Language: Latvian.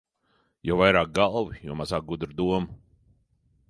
Jo vairāk galvu, jo mazāk gudru domu.